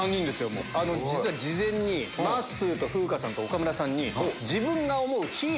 実は事前にまっすーと風花さんと岡村さんに。